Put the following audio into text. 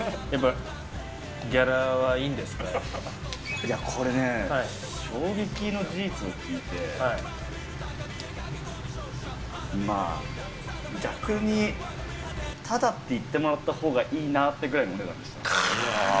いや、これね、衝撃の事実を聞いて、まぁ、逆に、ただって言ってもらったほうがいいなってぐらいのお値段でした。